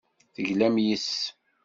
Teglamt yes-s.